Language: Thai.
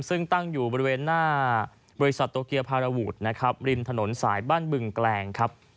ซึ่งตั้งอยู่บริเวณหน้าบริษัทโตเกียร์ภารวุฒิริมถนนสายบ้านบึ่งแกลง